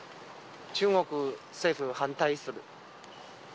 中国政府、反対する。